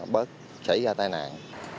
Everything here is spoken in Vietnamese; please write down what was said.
bớt xảy ra tai nạn